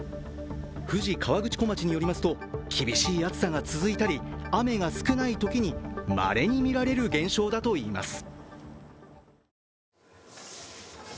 富士河口湖町によりますと厳しい暑さが続いたり雨が少ないときにまれに見られる現象だといいます。